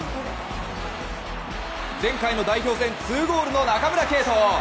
前回の代表戦、２ゴールの中村敬斗！